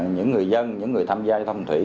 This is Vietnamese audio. những người dân những người tham gia giao thông thủy